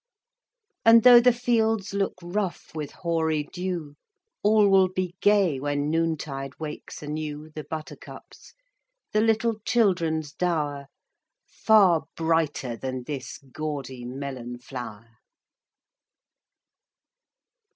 And though the fields look rough with hoary dew, All will be gay when noontide wakes anew The buttercups, the little children's dower Far brighter than this gaudy melon flower!